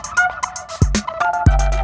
kau mau kemana